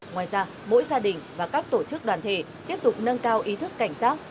ngoài ra mỗi gia đình và các tổ chức đoàn thể tiếp tục nâng cao ý thức cảnh giác